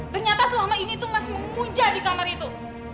ternyata selama ini tuh mas mengunja di kamar itu